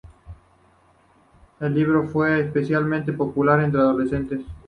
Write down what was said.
El libro fue especialmente popular entre adolescentes.